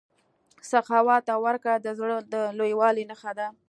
سخاوت او ورکړه د زړه د لویوالي نښه ده.